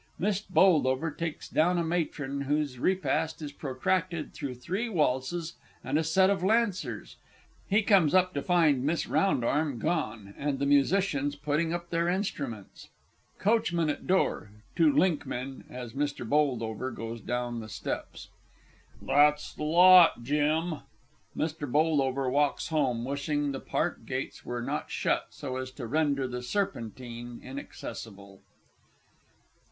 [Mr. B. takes down a Matron whose repast is protracted through three waltzes and a set of Lancers he comes up to find MISS ROUNDARM gone, and the Musicians putting up their instruments. COACHMAN AT DOOR (to Linkman, as MR. B. goes down the steps). That's the lot, Jim! [Mr. B. walks home, wishing the Park Gates were not shut, so as to render the Serpentine inaccessible.